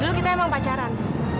dulu kita emang pacaran